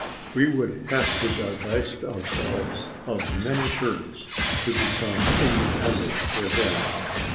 We would have to divest ourselves of many shirts to become independent within.